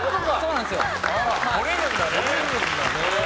来れるんだね。